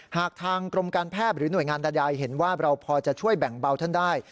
หากทางกรมการแพทย์หรือหน่วยงานใดเห็นว่าเราพอจะช่วยแบ่งเบาท่านได้